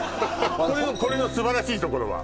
これの素晴らしいところは？